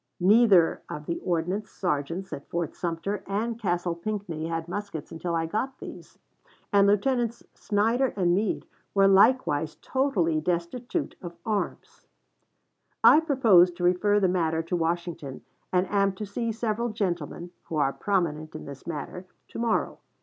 Neither of the ordnance sergeants at Fort Sumter and Castle Pinckney had muskets until I got these, and Lieutenants Snyder and Meade were likewise totally destitute of arms." Foster to De Russy, Dec. 18, 1860. W.R. Vol. I., pp. 95, 96. "I propose to refer the matter to Washington, and am to see several gentlemen, who are prominent in this matter, to morrow.